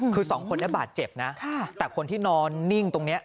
คือสองคนนี้บาดเจ็บนะแต่คนที่นอนนิ่งตรงนี้